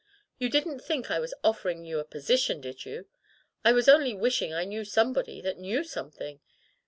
"You didn't think I was offering you a position, did you ? I was only wishing I knew somebody that knew something.